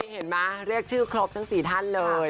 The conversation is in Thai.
เห็นไหมเรียกชื่อครบทั้ง๔ท่านเลย